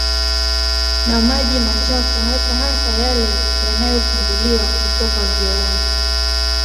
na maji machafu hasa hasa yale yanayofunguliwa kutoka vyooni